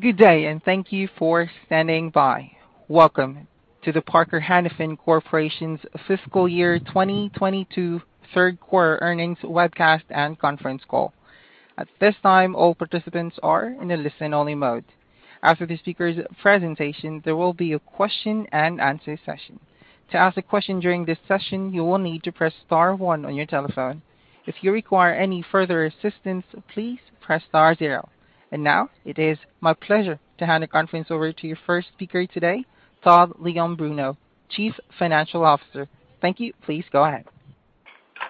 Good day, and thank you for standing by. Welcome to the Parker-Hannifin Corporation's Fiscal Year 2022 Third Quarter Earnings Webcast and Conference Call. At this time, all participants are in a listen-only mode. After the speakers' presentation, there will be a question-and-answer session. To ask a question during this session, you will need to press star one on your telephone. If you require any further assistance, please press star zero. Now, it is my pleasure to hand the conference over to your first speaker today, Todd Leombruno, Chief Financial Officer. Thank you. Please go ahead.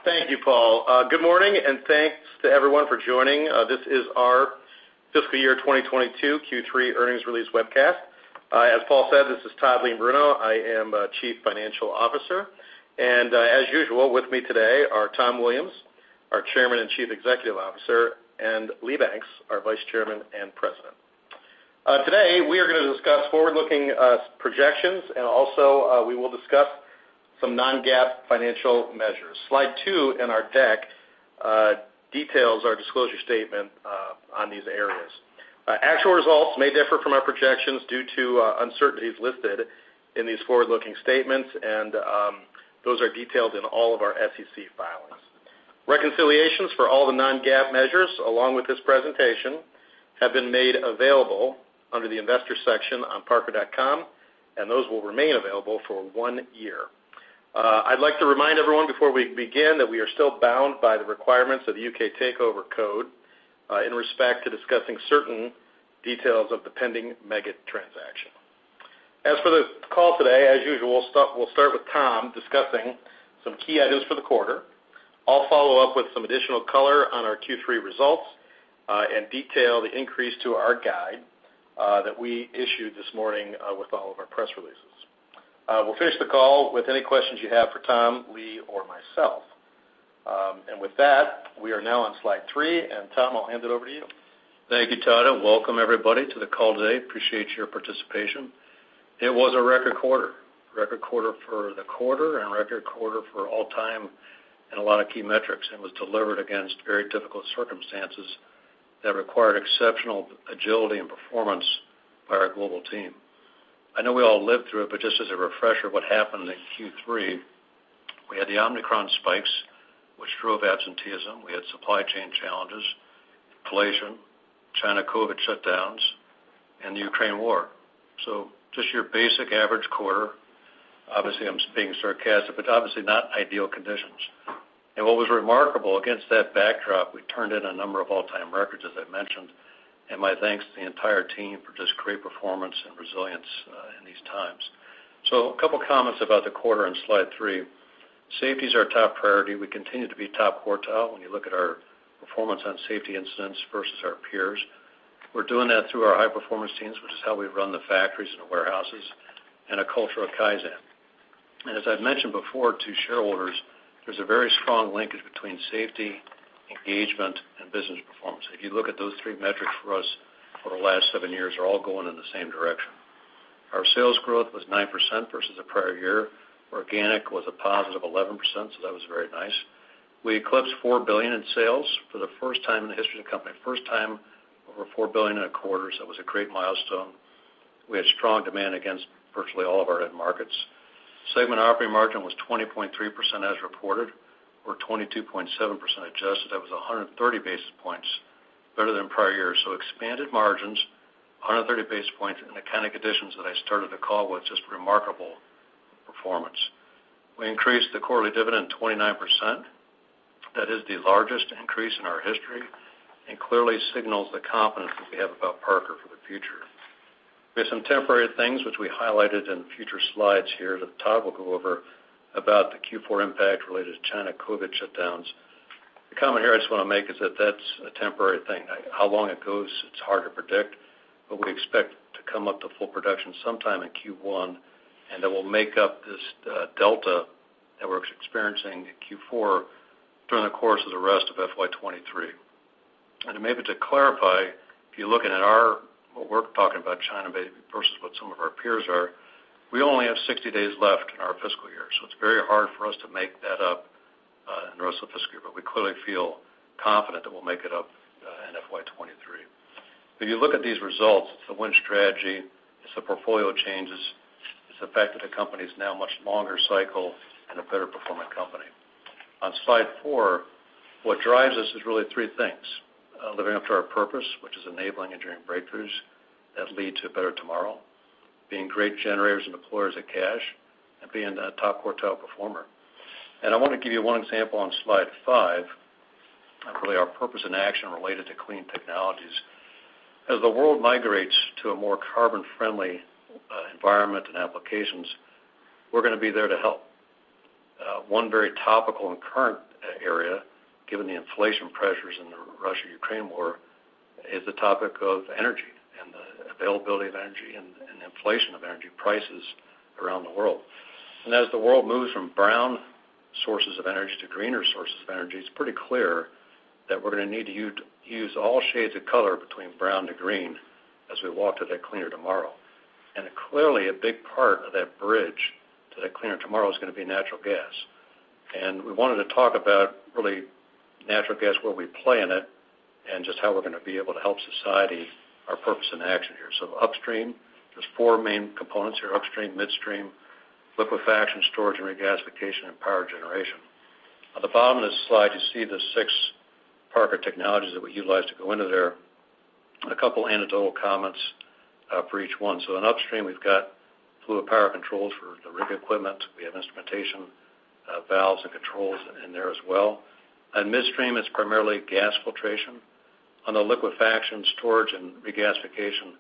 Thank you, Paul. Good morning, and thanks to everyone for joining. This is our fiscal year 2022 Q3 earnings release webcast. As Paul said, this is Todd Leombruno. I am Chief Financial Officer. As usual, with me today are Tom Williams, our Chairman and Chief Executive Officer, and Lee Banks, our Vice Chairman and President. Today, we are gonna discuss forward-looking projections, and also, we will discuss some non-GAAP financial measures. Slide two in our deck details our disclosure statement on these areas. Actual results may differ from our projections due to uncertainties listed in these forward-looking statements, and those are detailed in all of our SEC filings. Reconciliations for all the non-GAAP measures along with this presentation have been made available under the Investors section on parker.com, and those will remain available for one year. I'd like to remind everyone before we begin that we are still bound by the requirements of the U.K. Takeover Code, in respect to discussing certain details of the pending Meggitt transaction. As for the call today, as usual, we'll start with Tom discussing some key items for the quarter. I'll follow up with some additional color on our Q3 results, and detail the increase to our guide that we issued this morning with all of our press releases. We'll finish the call with any questions you have for Tom, Lee, or myself. With that, we are now on slide three, and Tom, I'll hand it over to you. Thank you, Todd, and welcome everybody to the call today. Appreciate your participation. It was a record quarter for the quarter and record quarter for all time in a lot of key metrics, and was delivered against very difficult circumstances that required exceptional agility and performance by our global team. I know we all lived through it, but just as a refresher, what happened in Q3, we had the Omicron spikes, which drove absenteeism. We had supply chain challenges, inflation, China COVID shutdowns, and the Ukraine war. Just your basic average quarter, obviously I'm being sarcastic, but obviously not ideal conditions. What was remarkable against that backdrop, we turned in a number of all-time records, as I mentioned, and my thanks to the entire team for just great performance and resilience in these times. A couple of comments about the quarter on slide three. Safety is our top priority. We continue to be top quartile when you look at our performance on safety incidents versus our peers. We're doing that through our High Performance Teams, which is how we run the factories and the warehouses, and a culture of Kaizen. As I've mentioned before to shareholders, there's a very strong linkage between safety, engagement, and business performance. If you look at those three metrics for us for the last seven years, they're all going in the same direction. Our sales growth was 9% versus the prior year. Organic was a +11%, so that was very nice. We eclipsed $4 billion in sales for the first time in the history of the company. First time over $4 billion in a quarter, so it was a great milestone. We had strong demand against virtually all of our end markets. Segment operating margin was 20.3% as reported, or 22.7% adjusted. That was 130 basis points better than prior years. Expanded margins, 130 basis points in the acquisitions that I started the call with, just remarkable performance. We increased the quarterly dividend 29%. That is the largest increase in our history and clearly signals the confidence that we have about Parker for the future. There's some temporary things which we highlighted in future slides here that Todd will go over about the Q4 impact related to China COVID shutdowns. The comment here I just want to make is that that's a temporary thing. How long it goes, it's hard to predict, but we expect to come up to full production sometime in Q1, and then we'll make up this delta that we're experiencing in Q4 during the course of the rest of FY 2023. Maybe to clarify, if you're looking at our what we're talking about China versus what some of our peers are, we only have 60 days left in our fiscal year. It's very hard for us to make that up in the rest of the fiscal year. We clearly feel confident that we'll make it up in FY 2023. If you look at these results, it's a Win Strategy, it's the portfolio changes, it's the fact that the company is now much longer cycle and a better performing company. On slide four, what drives us is really three things. Living up to our purpose, which is enabling engineering breakthroughs that lead to a better tomorrow, being great generators and deployers of cash, and being a top quartile performer. I want to give you one example on slide five of really our purpose in action related to clean technologies. As the world migrates to a more carbon-friendly environment and applications, we're gonna be there to help. One very topical and current area, given the inflation pressures in the Russia-Ukraine war, is the topic of energy and the availability of energy and inflation of energy prices around the world. As the world moves from brown sources of energy to greener sources of energy, it's pretty clear that we're gonna need to use all shades of color between brown to green as we walk to that cleaner tomorrow. Clearly, a big part of that bridge to that cleaner tomorrow is gonna be natural gas. We wanted to talk about really natural gas, where we play in it, and just how we're gonna be able to help society, our purpose in action here. Upstream, there's four main components here upstream, midstream, liquefaction, storage and regasification, and power generation. At the bottom of this slide, you see the six Parker technologies that we utilize to go into there. A couple anecdotal comments for each one. In upstream, we've got fluid power controls for the rig equipment. We have instrumentation, valves, and controls in there as well. In midstream, it's primarily gas filtration. On the liquefaction storage and regasification,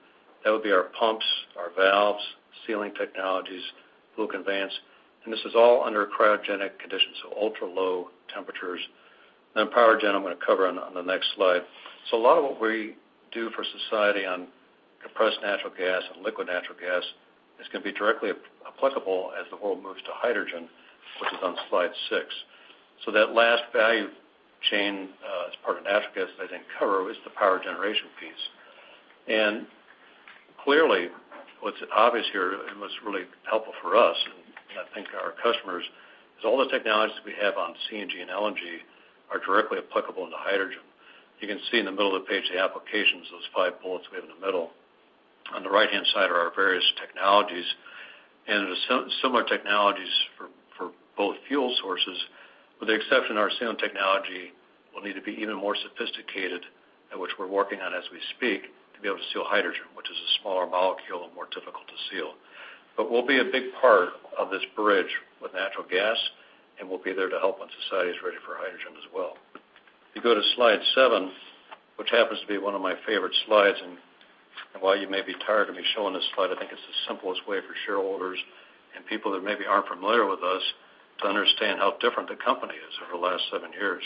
that would be our pumps, our valves, sealing technologies, flues and vents. This is all under cryogenic conditions, so ultra-low temperatures. Power gen, I'm gonna cover on the next slide. A lot of what we do for society on compressed natural gas and liquefied natural gas is gonna be directly applicable as the world moves to hydrogen, which is on slide six. That last value chain, as part of natural gas that I didn't cover is the power generation piece. Clearly, what's obvious here, and what's really helpful for us, and I think our customers, is all the technologies we have on CNG and LNG are directly applicable into hydrogen. You can see in the middle of the page, the applications, those five bullets we have in the middle. On the right-hand side are our various technologies. Similar technologies for both fuel sources, with the exception of our sealing technology, will need to be even more sophisticated, on which we're working as we speak, to be able to seal hydrogen, which is a smaller molecule and more difficult to seal. We'll be a big part of this bridge with natural gas, and we'll be there to help when society is ready for hydrogen as well. If you go to slide seven, which happens to be one of my favorite slides, and while you may be tired of me showing this slide, I think it's the simplest way for shareholders and people that maybe aren't familiar with us to understand how different the company is over the last seven years.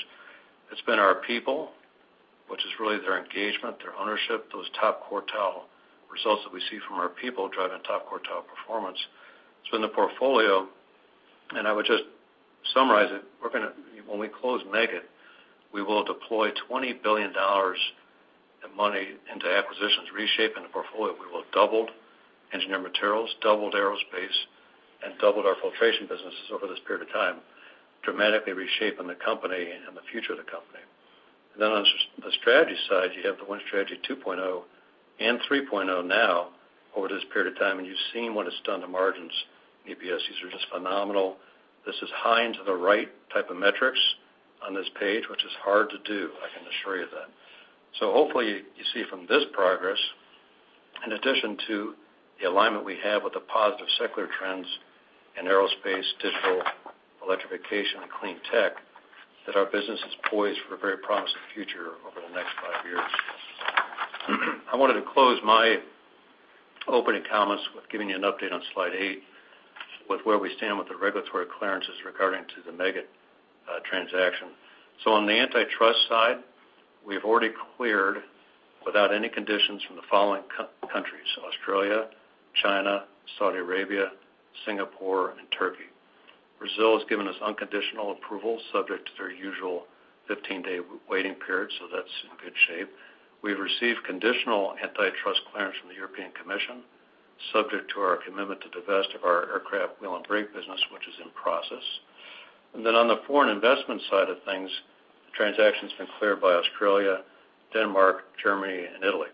It's been our people, which is really their engagement, their ownership, those top quartile results that we see from our people driving top quartile performance. It's been the portfolio, and I would just summarize it, when we close Meggitt, we will deploy $20 billion of money into acquisitions, reshaping the portfolio. We will have doubled Engineered Materials, doubled aerospace, and doubled our filtration businesses over this period of time, dramatically reshaping the company and the future of the company. On the strategy side, you have the Win Strategy 2.0 and 3.0 now over this period of time, and you've seen what it's done to margins. EPSs are just phenomenal. This is high and to the right type of metrics on this page, which is hard to do, I can assure you that. Hopefully, you see from this progress, in addition to the alignment we have with the positive secular trends in aerospace, digital electrification, and clean tech, that our business is poised for a very promising future over the next five years. I wanted to close my opening comments with giving you an update on slide eight with where we stand with the regulatory clearances regarding the Meggitt transaction. On the antitrust side, we have already cleared without any conditions from the following countries, so Australia, China, Saudi Arabia, Singapore, and Turkey. Brazil has given us unconditional approval subject to their usual 15-day waiting period, so that's in good shape. We've received conditional antitrust clearance from the European Commission, subject to our commitment to divest of our aircraft wheel and brake business, which is in process. Then on the foreign investment side of things, the transaction's been cleared by Australia, Denmark, Germany, and Italy.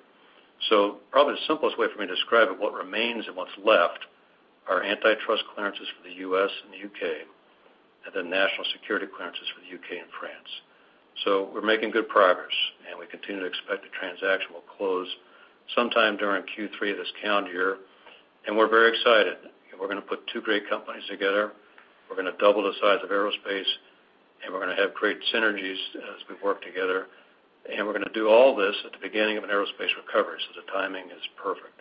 Probably the simplest way for me to describe it, what remains and what's left are antitrust clearances for the U.S. and the U.K., and then national security clearances for the U.K. and France. We're making good progress, and we continue to expect the transaction will close sometime during Q3 of this calendar year. We're very excited. We're gonna put two great companies together. We're gonna double the size of aerospace, and we're gonna have great synergies as we work together. We're gonna do all this at the beginning of an aerospace recovery, so the timing is perfect.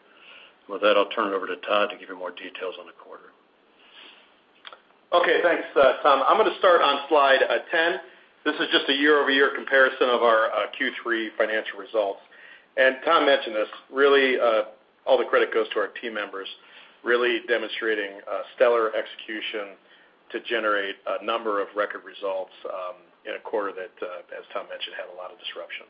With that, I'll turn it over to Todd to give you more details on the quarter. Okay, thanks, Tom. I'm gonna start on slide 10. This is just a year-over-year comparison of our Q3 financial results. Tom mentioned this, really, all the credit goes to our team members, really demonstrating stellar execution to generate a number of record results in a quarter that, as Tom mentioned, had a lot of disruptions.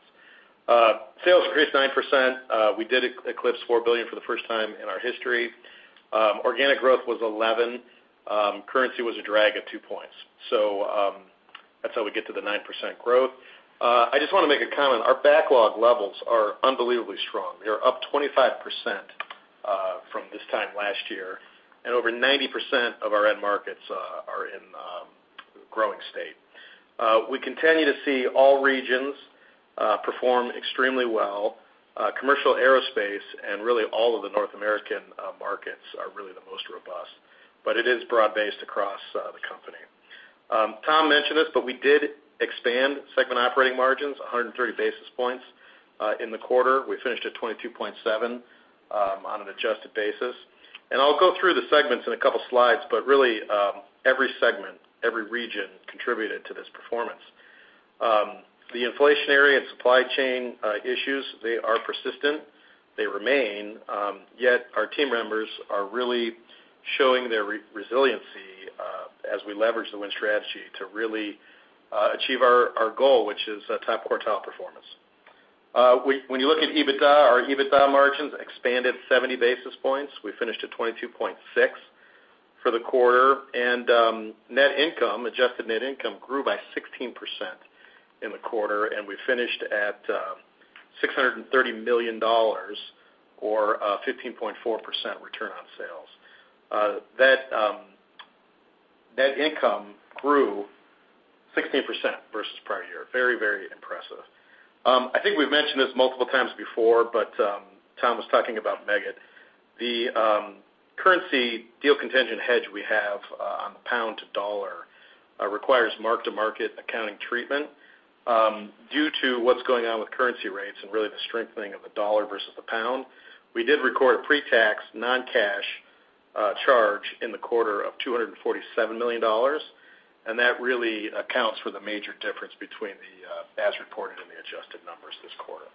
Sales increased 9%. We did eclipse $4 billion for the first time in our history. Organic growth was 11%. Currency was a drag at 2 points. That's how we get to the 9% growth. I just wanna make a comment. Our backlog levels are unbelievably strong. They're up 25% from this time last year, and over 90% of our end markets are in growing state. We continue to see all regions perform extremely well. Commercial aerospace and really all of the North American markets are really the most robust. It is broad-based across the company. Tom mentioned this, but we did expand segment Operating Margins 130 basis points in the quarter. We finished at 22.7 on an adjusted basis. I'll go through the segments in a couple slides, but really, every segment, every region contributed to this performance. The inflationary and supply chain issues, they are persistent. They remain, yet our team members are really showing their resiliency as we leverage the Win Strategy to really achieve our goal, which is a top-quartile performance. When you look at EBITDA, our EBITDA margins expanded 70 basis points. We finished at 22.6 for the quarter. Net income, adjusted net income grew by 16% in the quarter, and we finished at $630 million or 15.4% return on sales. That net income grew 16% versus prior year. Very impressive. I think we've mentioned this multiple times before, but Tom was talking about Meggitt. The currency deal-contingent hedge we have on the pound to dollar requires mark-to-market accounting treatment. Due to what's going on with currency rates and really the strengthening of the dollar versus the pound, we did record a pre-tax non-cash charge in the quarter of $247 million, and that really accounts for the major difference between the as-reported and the adjusted numbers this quarter.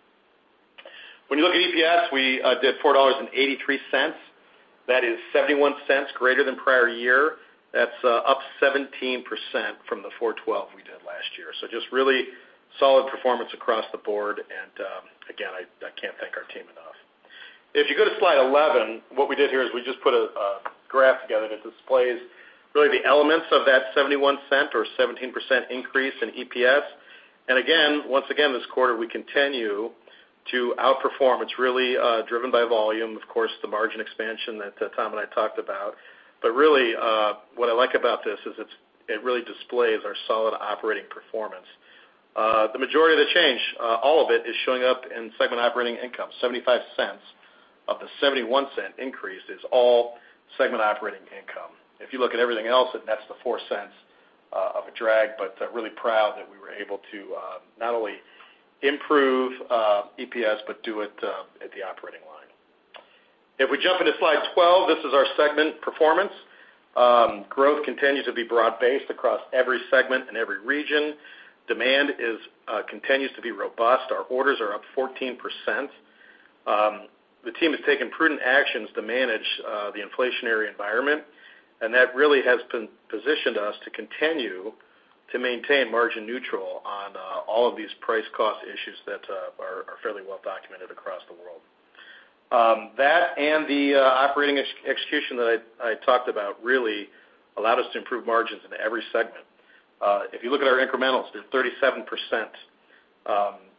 When you look at EPS, we did $4.83. That is $0.71 greater than prior year. That's up 17% from the $4.12 we did last year. Just really solid performance across the board. Again, I can't thank our team enough. If you go to slide 11, what we did here is we just put a graph together that displays really the elements of that $0.71 or 17% increase in EPS. Again, once again, this quarter, we continue to outperform. It's really driven by volume, of course, the margin expansion that Tom and I talked about. Really, what I like about this is it's, it really displays our solid operating performance. The majority of the change, all of it is showing up in segment Operating Income, $0.75 of the $0.71 increase is all segment Operating Income. If you look at everything else, it nets to $0.04 of a drag, but really proud that we were able to not only improve EPS, but do it at the operating line. If we jump into slide 12, this is our segment Performance. Growth continues to be broad-based across every segment and every region. Demand continues to be robust. Our orders are up 14%. The team has taken prudent actions to manage the inflationary environment, and that really has positioned us to continue to maintain margin neutral on all of these price-cost issues that are fairly well documented across the world. That and the operating execution that I talked about really allowed us to improve margins in every segment. If you look at our incrementals, they're 37%.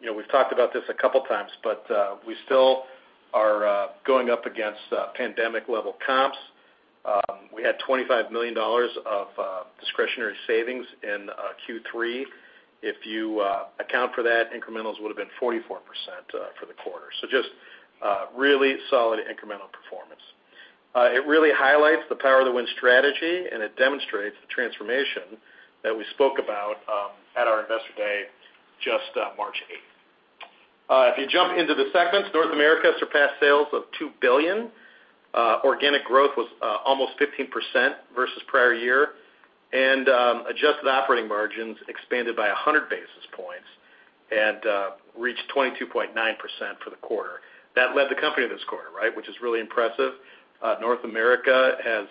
You know, we've talked about this a couple times, but we still are going up against pandemic-level comps. We had $25 million of discretionary savings in Q3. If you account for that, incrementals would have been 44% for the quarter. Just really solid incremental performance. It really highlights the power of the Win Strategy, and it demonstrates the transformation that we spoke about at our Investor Day just March 8th. If you jump into the segments, North America surpassed sales of $2 billion. Organic growth was almost 15% versus prior year. Adjusted operating margins expanded by 100 basis points and reached 22.9% for the quarter. That led the company this quarter, right, which is really impressive. North America has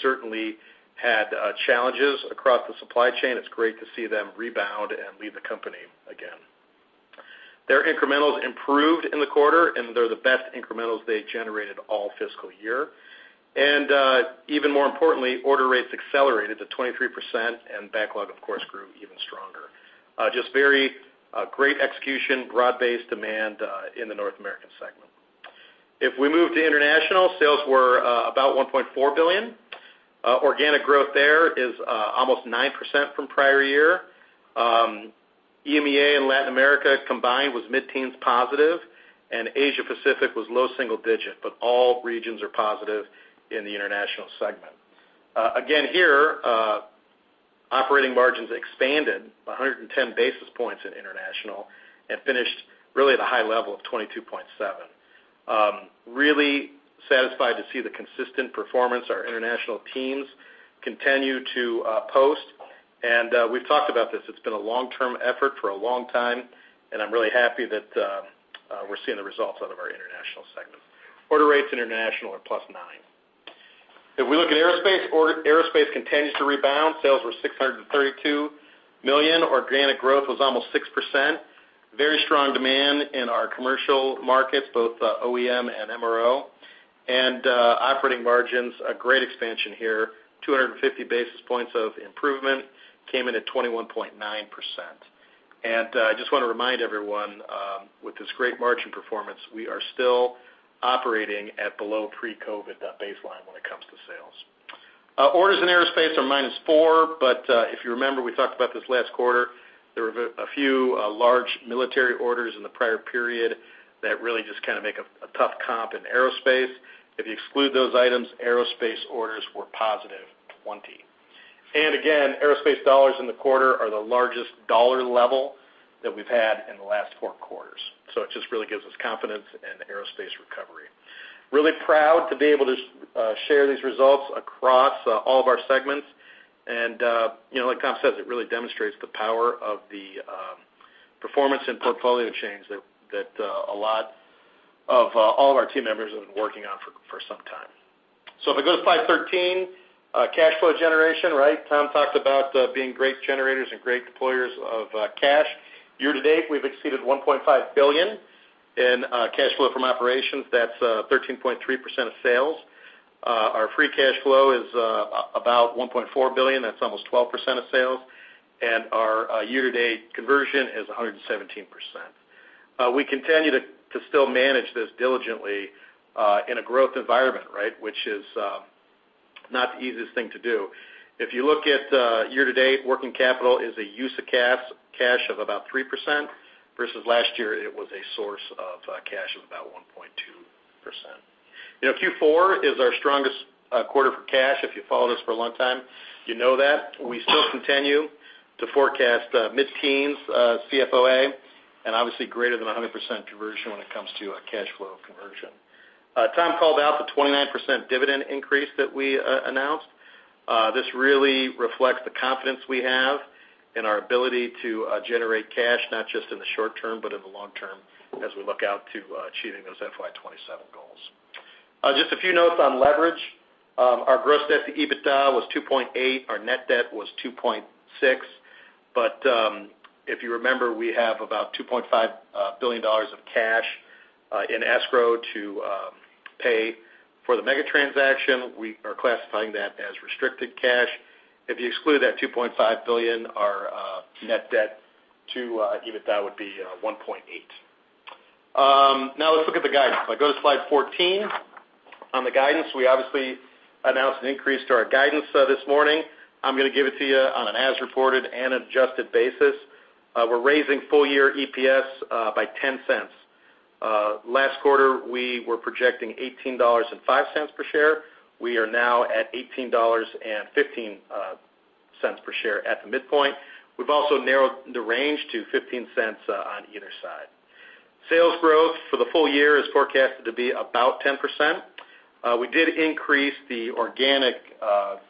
certainly had challenges across the supply chain. It's great to see them rebound and lead the company again. Their incrementals improved in the quarter, and they're the best incrementals they generated all fiscal year. Even more importantly, order rates accelerated to 23%, and backlog, of course, grew even stronger. Just very great execution, broad-based demand in the North American segment. If we move to international, sales were about $1.4 billion. Organic growth there is almost 9% from prior year. EMEA and Latin America combined was mid-teens% positive, and Asia Pacific was low single-digit, but all regions are positive in the International segment. Again here, operating margins expanded 110 basis points in international and finished really at a high level of 22.7%. Really satisfied to see the consistent performance our international teams continue to post. We've talked about this. It's been a long-term effort for a long time, and I'm really happy that we're seeing the results out of our International segment. Order rates international are +9%. If we look at aerospace continues to rebound. Sales were $632 million. Organic growth was almost 6%. Very strong demand in our commercial markets, both OEM and MRO. Operating margins, a great expansion here, 250 basis points of improvement, came in at 21.9%. I just wanna remind everyone, with this great margin performance, we are still operating at below pre-COVID baseline when it comes to sales. Orders in aerospace are -4%, but if you remember, we talked about this last quarter, there were a few large military orders in the prior period that really just kind of make a tough comp in aerospace. If you exclude those items, aerospace orders were +20%. Again, aerospace dollars in the quarter are the largest dollar level that we've had in the last four quarters. It just really gives us confidence in aerospace recovery. Really proud to be able to share these results across all of our segments. You know, like Tom says, it really demonstrates the power of the performance and portfolio change that a lot of all of our team members have been working on for some time. If I go to 513, cash flow generation, right? Tom talked about being great generators and great deployers of cash. Year-to-date, we've exceeded $1.5 billion in cash flow from operations. That's 13.3% of sales. Our free cash flow is about $1.4 billion. That's almost 12% of sales. Our year-to-date conversion is 117%. We continue to still manage this diligently in a growth environment, right? Which is not the easiest thing to do. If you look at year-to-date, working capital is a use of cash of about 3% versus last year, it was a source of cash of about 1.2%. You know, Q4 is our strongest quarter for cash. If you've followed us for a long time, you know that. We still continue to forecast mid-teens CFOA, and obviously, greater than 100% conversion when it comes to cash flow conversion. Tom called out the 29% dividend increase that we announced. This really reflects the confidence we have in our ability to generate cash, not just in the short term, but in the long term as we look out to achieving those FY 2027 goals. Just a few notes on leverage. Our gross debt to EBITDA was 2.8. Our net debt was 2.6. If you remember, we have about $2.5 billion of cash in escrow to pay for the Meggitt transaction. We are classifying that as restricted cash. If you exclude that $2.5 billion, our net debt to EBITDA would be 1.8. Now let's look at the guidance. If I go to slide 14 on the guidance, we obviously announced an increase to our guidance this morning. I'm gonna give it to you on an as-reported and adjusted basis. We're raising full-year EPS by 10 cents. Last quarter, we were projecting $18.05 per share. We are now at $18.15 per share at the midpoint. We've also narrowed the range to $0.15 on either side. Sales growth for the full year is forecasted to be about 10%. We did increase the organic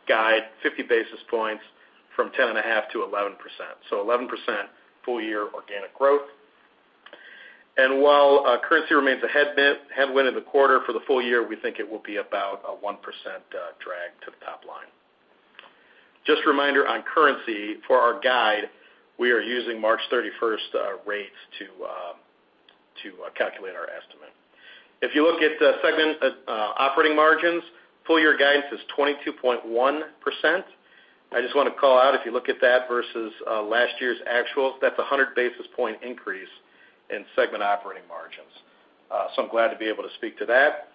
guide 50 basis points from 10.5%- 11%. Eleven percent full-year organic growth. While currency remains a headwind in the quarter, for the full year, we think it will be about a 1% drag to the top line. Just a reminder on currency, for our guide, we are using March 31st rates to calculate our estimate. If you look at segment Operating Margins, full-year guidance is 22.1%. I just wanna call out, if you look at that versus last year's actuals, that's a 100 basis point increase in segment Operating Margins. I'm glad to be able to speak to that.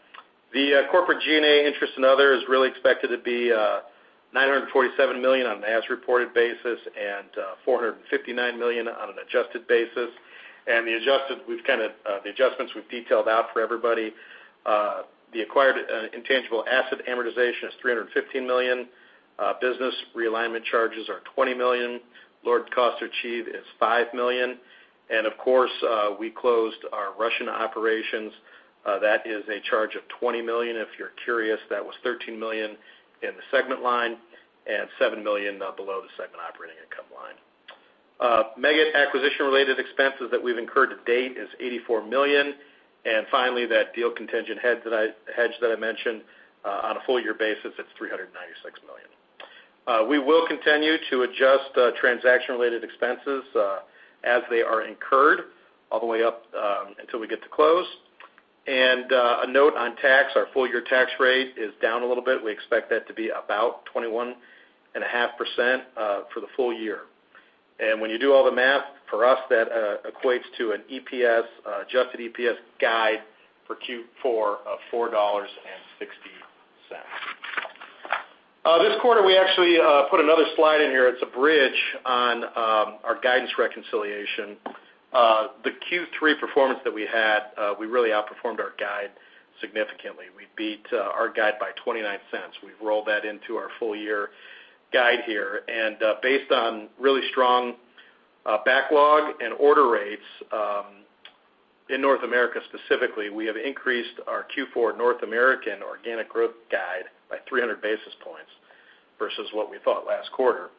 The corporate G&A interest and other is really expected to be $947 million on an as-reported basis and $459 million on an adjusted basis. The adjustments we've detailed out for everybody. The acquired intangible asset amortization is $315 million. Business realignment charges are $20 million. Lowered cost to achieve is $5 million. Of course, we closed our Russian operations. That is a charge of $20 million. If you're curious, that was $13 million in the segment line and $7 million below the segment Operating Income Line. Meggitt acquisition-related expenses that we've incurred to date is $84 million. Finally, that deal-contingent hedge that I mentioned, on a full-year basis, it's $396 million. We will continue to adjust transaction-related expenses as they are incurred all the way up until we get to close. A note on tax, our full-year tax rate is down a little bit. We expect that to be about 21.5% for the full year. When you do all the math, for us, that equates to an EPS, adjusted EPS guide for Q4 of $4.60. This quarter, we actually put another slide in here. It's a bridge on our guidance reconciliation. The Q3 performance that we had, we really outperformed our guide significantly. We beat our guide by $0.29. We've rolled that into our full-year guide here. Based on really strong backlog and order rates in North America specifically, we have increased our Q4 North American organic growth guide by 300 basis points versus what we thought last quarter.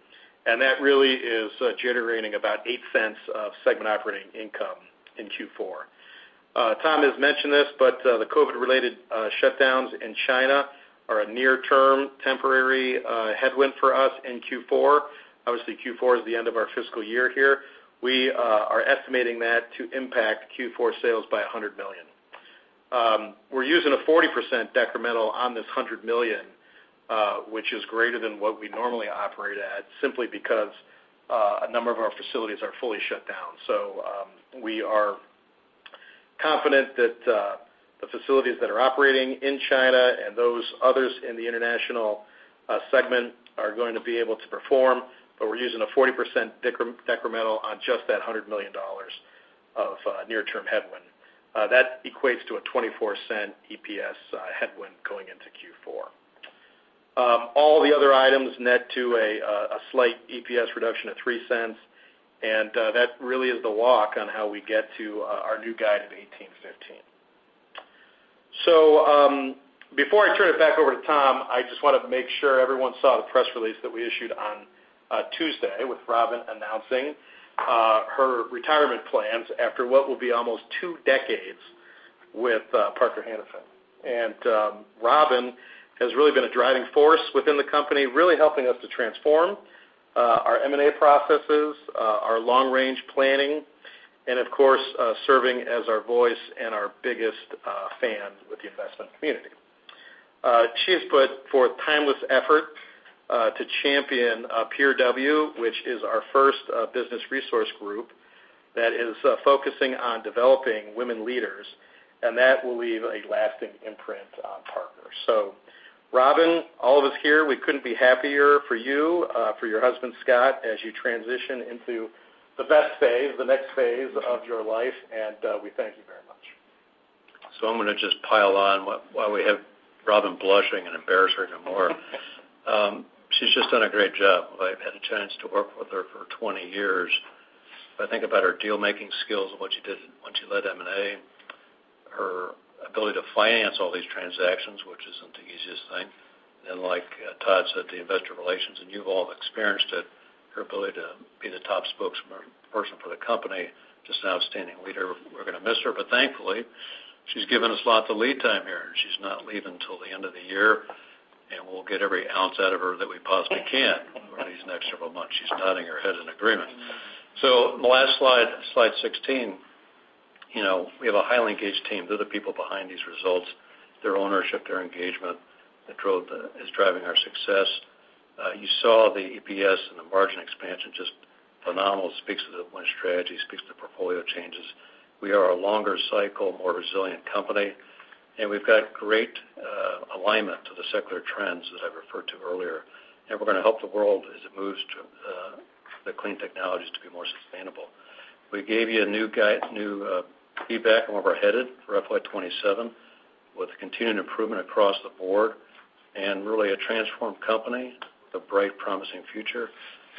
That really is generating about $0.08 of segment Operating Income in Q4. Tom has mentioned this, but the COVID-related shutdowns in China are a near-term temporary headwind for us in Q4. Obviously, Q4 is the end of our fiscal year here. We are estimating that to impact Q4 sales by $100 million. We're using a 40% decremental on this $100 million, which is greater than what we normally operate at simply because a number of our facilities are fully shut down. We are confident that the facilities that are operating in China and those others in the International segment are going to be able to perform, but we're using a 40% decremental on just that $100 million of near-term headwind. That equates to a 24-cent EPS headwind going into Q4. All the other items net to a slight EPS reduction of 3 cents, and that really is the walk on how we get to our new guide of $18.15. Before I turn it back over to Tom, I just wanna make sure everyone saw the press release that we issued on Tuesday with Robin announcing her retirement plans after what will be almost two decades with Parker-Hannifin. Robin has really been a driving force within the company, really helping us to transform, our M&A processes, our long-range planning, and of course, serving as our voice and our biggest, fan with the investment community. She has put forth timeless effort, to champion, Peer W, which is our first, business resource group that is, focusing on developing women leaders, and that will leave a lasting imprint on Parker. Robin, all of us here, we couldn't be happier for you, for your husband, Scott, as you transition into the best phase, the next phase of your life, and, we thank you very much. I'm gonna just pile on while we have Robin blushing and embarrass her no more. She's just done a great job. I've had a chance to work with her for 20 years. If I think about her deal-making skills and what she did when she led M&A, her ability to finance all these transactions, which isn't the easiest thing. Like Todd said, the Investor Relations, and you've all experienced it, her ability to be the top spokesperson for the company, just an outstanding leader. We're gonna miss her, but thankfully, she's given us lots of lead time here. She's not leaving till the end of the year, and we'll get every ounce out of her that we possibly can over these next several months. She's nodding her head in agreement. The last slide 16, we have a highly engaged team. They're the people behind these results, their ownership, their engagement that is driving our success. You saw the EPS and the margin expansion, just phenomenal. Speaks to the Win Strategy, speaks to portfolio changes. We are a longer cycle, more resilient company, and we've got great alignment to the secular trends as I referred to earlier. We're gonna help the world as it moves to the clean technologies to be more sustainable. We gave you a new guide, new feedback on where we're headed for FY 2027 with continued improvement across the board and really a transformed company with a bright, promising future.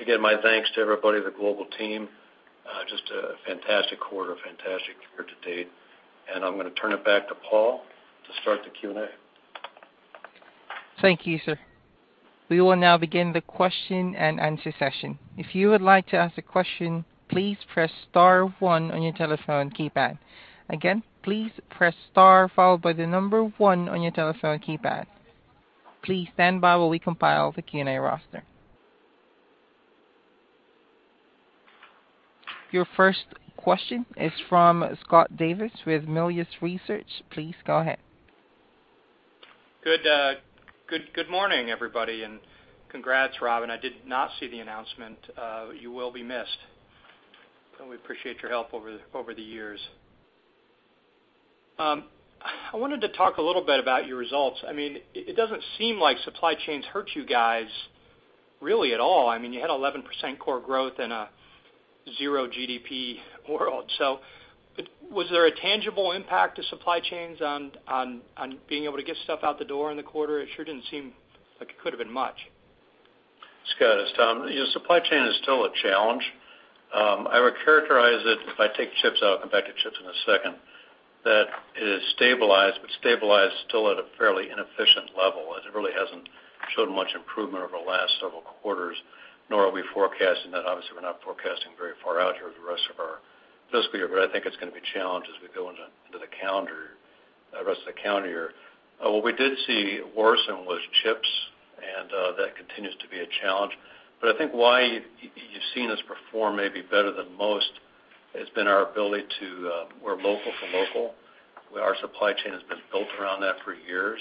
Again, my thanks to everybody, the global team, just a fantastic quarter, fantastic year-to-date. I'm gonna turn it back to Paul to start the Q&A. Thank you, sir. We will now begin the question-and-answer session. If you would like to ask a question, please press star one on your telephone keypad. Again, please press star followed by the number one on your telephone keypad. Please stand by while we compile the Q&A roster. Your first question is from Scott Davis with Melius Research. Please go ahead. Good morning, everybody, and congrats, Robin. I did not see the announcement. You will be missed, and we appreciate your help over the years. I wanted to talk a little bit about your results. I mean, it doesn't seem like supply chains hurt you guys really at all. I mean, you had 11% core growth in a zero-GDP world. Was there a tangible impact to supply chains on being able to get stuff out the door in the quarter? It sure didn't seem like it could've been much. Scott, it's Tom. You know, supply chain is still a challenge. I would characterize it if I take chips out, I'll come back to chips in a second, that it is stabilized, but stabilized still at a fairly inefficient level. It really hasn't shown much improvement over the last several quarters, nor are we forecasting that. Obviously, we're not forecasting very far out here the rest of our fiscal year. I think it's gonna be a challenge as we go into the calendar, the rest of the calendar year. What we did see worsen was chips, and that continues to be a challenge. I think why you've seen us perform maybe better than most has been our ability to, we're local to local. Our supply chain has been built around that for years.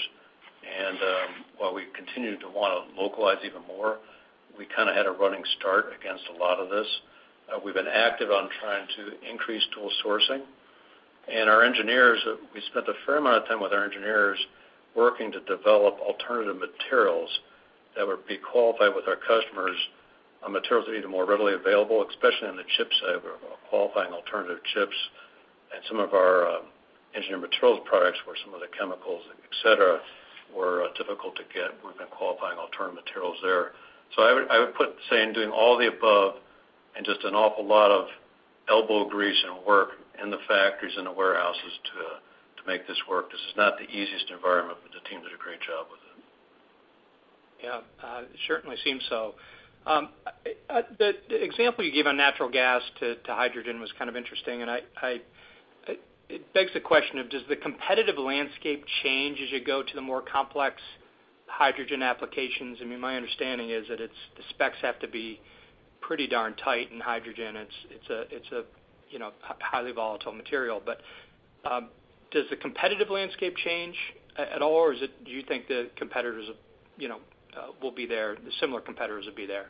While we continue to wanna localize even more, we kinda had a running start against a lot of this. We've been active on trying to increase dual sourcing. Our engineers, we spent a fair amount of time with our engineers working to develop alternative materials that would be qualified with our customers on materials that are even more readily available, especially in the chip side. We're qualifying alternative chips and some of our engineering materials products, where some of the chemicals, et cetera, were difficult to get. We've been qualifying alternate materials there. I would say, in doing all the above and just an awful lot of elbow grease and work in the factories and the warehouses to make this work. This is not the easiest environment, but the team did a great job with it. Yeah, certainly seems so. The example you gave on natural gas to hydrogen was kind of interesting, and it begs the question of does the competitive landscape change as you go to the more complex hydrogen applications? I mean, my understanding is that the specs have to be pretty darn tight in hydrogen. It's a, you know, highly volatile material. Does the competitive landscape change at all, or do you think the competitors, you know, will be there, the similar competitors will be there?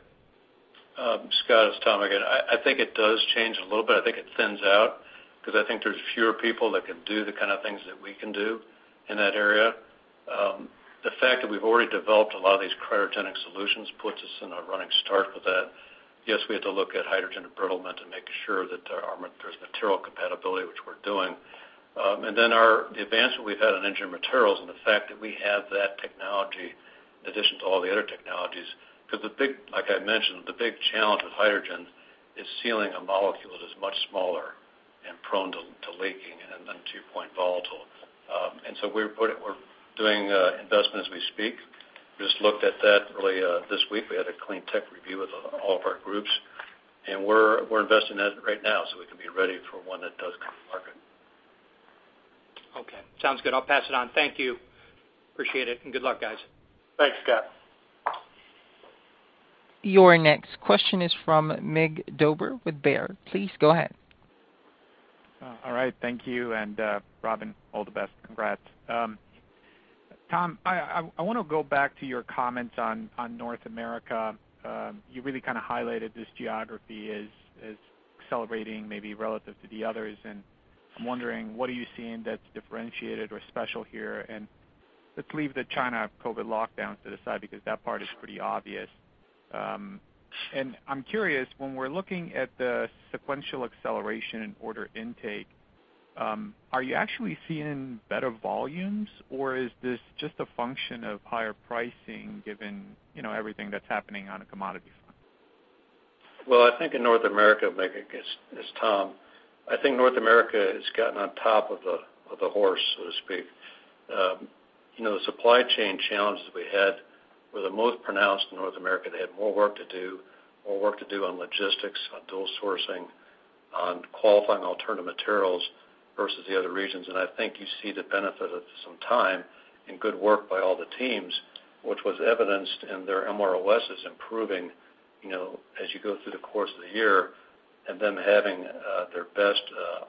Scott, it's Tom again. I think it does change a little bit. I think it thins out 'cause I think there's fewer people that can do the kinda things that we can do in that area. The fact that we've already developed a lot of these cryogenic solutions puts us in a running start with that. Yes, we have to look at hydrogen embrittlement and make sure that there's material compatibility, which we're doing. The advancement we've had in Engineered Materials and the fact that we have that technology. In addition to all the other technologies. 'Cause like I mentioned, the big challenge with hydrogen is sealing a molecule that is much smaller and prone to leaking and too volatile. We're doing investment as we speak. Just looked at that early this week. We had a clean tech review with all of our groups, and we're investing in that right now, so we can be ready for when it does come to market. Okay. Sounds good. I'll pass it on. Thank you. Appreciate it, and good luck, guys. Thanks, Scott. Your next question is from Mircea Dobre with Baird. Please go ahead. All right. Thank you, and, Robin, all the best. Congrats. Tom, I wanna go back to your comments on North America. You really kinda highlighted this geography as accelerating maybe relative to the others, and I'm wondering, what are you seeing that's differentiated or special here? Let's leave the China COVID lockdowns to the side because that part is pretty obvious. I'm curious, when we're looking at the sequential acceleration in order intake, are you actually seeing better volumes, or is this just a function of higher pricing given, you know, everything that's happening on a commodity front? Well, I think in North America, Mircea, it's Tom. I think North America has gotten on top of the, of the horse, so to speak. You know, the supply chain challenges we had were the most pronounced in North America. They had more work to do on logistics, on dual sourcing, on qualifying alternative materials versus the other regions. I think you see the benefit of some time and good work by all the teams, which was evidenced in their MROs improving, you know, as you go through the course of the year, and them having their best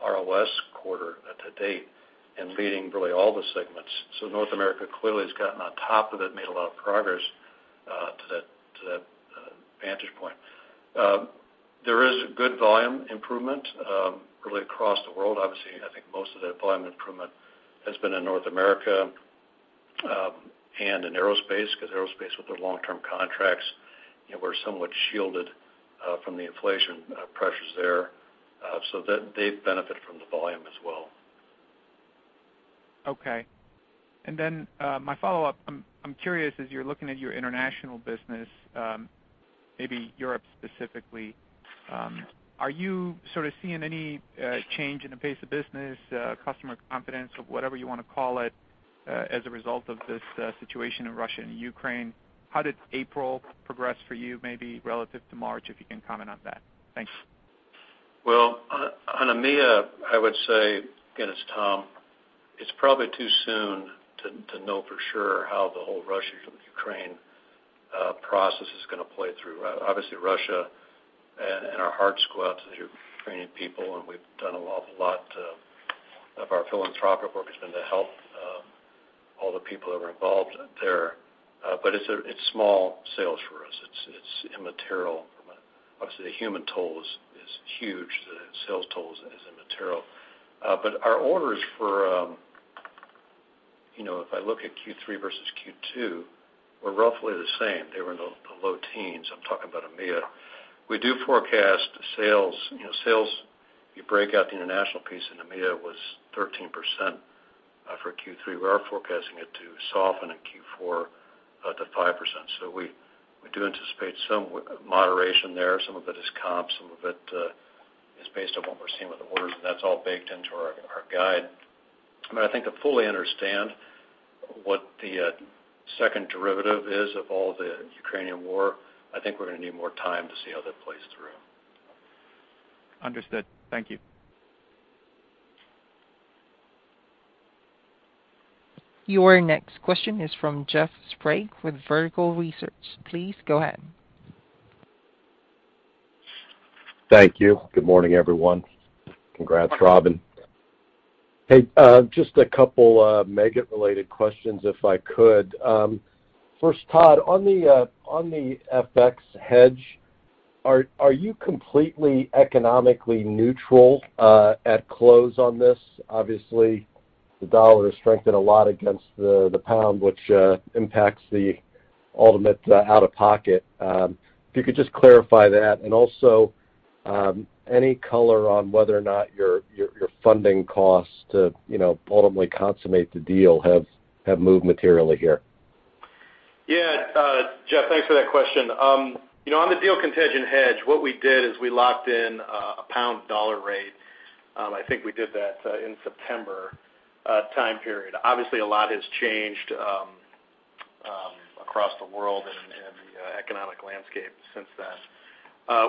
RLS quarter to date and leading really all the segments. North America clearly has gotten on top of it and made a lot of progress to that vantage point. There is good volume improvement really across the world. Obviously, I think most of the volume improvement has been in North America and in aerospace, 'cause aerospace with their long-term contracts, you know, we're somewhat shielded from the inflation pressures there. They benefit from the volume as well. Okay. My follow-up, I'm curious, as you're looking at your international business, maybe Europe specifically, are you sort of seeing any change in the pace of business, customer confidence or whatever you wanna call it, as a result of this situation in Russia and Ukraine? How did April progress for you maybe relative to March, if you can comment on that? Thanks. Well, on EMEA, I would say, again, it's Tom, it's probably too soon to know for sure how the whole Russia-Ukraine process is gonna play through. Obviously, Russia and our hearts go out to the Ukrainian people, and we've done an awful lot of our philanthropic work has been to help all the people that are involved there. It's small sales for us. It's immaterial, obviously, the human toll is huge. The sales toll is immaterial. Our orders, you know, if I look at Q3 versus Q2, were roughly the same. They were in the low teens. I'm talking about EMEA. We do forecast sales. You know, sales, if you break out the international piece, and EMEA was 13% for Q3. We are forecasting it to soften in Q4 upto 5%. We do anticipate some moderation there. Some of it is comp. Some of it is based on what we're seeing with the orders, and that's all baked into our guide. I think to fully understand what the second derivative is of all the Ukrainian war, I think we're gonna need more time to see how that plays through. Understood. Thank you. Your next question is from Jeff Sprague with Vertical Research. Please go ahead. Thank you. Good morning, everyone. Congrats, Robin. Hey, just a couple Meggitt-related questions if I could. First, Todd, on the FX hedge, are you completely economically neutral at close on this? Obviously, the dollar has strengthened a lot against the pound, which impacts the ultimate out-of-pocket. If you could just clarify that and also any color on whether or not your funding costs to, you know, ultimately consummate the deal have moved materially here. Yeah. Jeff, thanks for that question. You know, on the deal-contingent hedge, what we did is we locked in a pound-dollar rate. I think we did that in September time period. Obviously, a lot has changed across the world and in the economic landscape since then.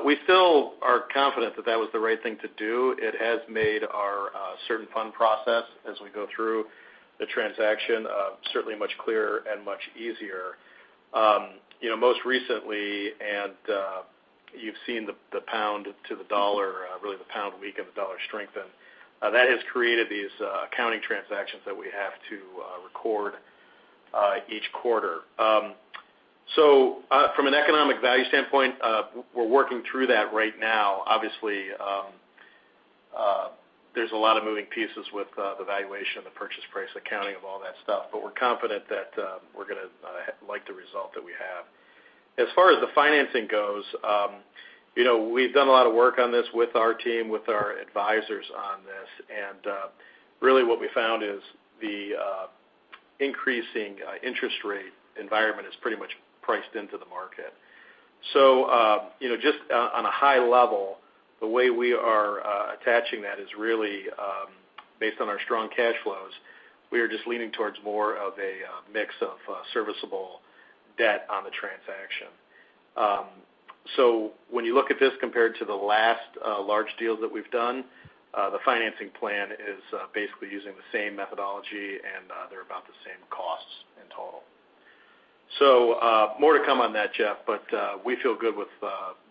We still are confident that that was the right thing to do. It has made our certain fund process as we go through the transaction certainly much clearer and much easier. You know, most recently, and you've seen the pound to the dollar really the pound weaken, the dollar strengthen. That has created these accounting transactions that we have to record each quarter. From an economic value standpoint, we're working through that right now. Obviously, there's a lot of moving pieces with the valuation of the purchase price, accounting of all that stuff, but we're confident that we're gonna like the result that we have. As far as the financing goes, you know, we've done a lot of work on this with our team, with our advisors on this, and really what we found is the increasing interest rate environment is pretty much priced into the market. You know, just on a high level, the way we are approaching that is really based on our strong cash flows. We are just leaning towards more of a mix of serviceable debt on the transaction. When you look at this compared to the last large deals that we've done, the financing plan is basically using the same methodology, and there are about the same costs in total. More to come on that, Jeff, but we feel good with